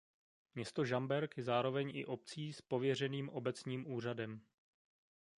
Město Žamberk je zároveň i obcí s pověřeným obecním úřadem.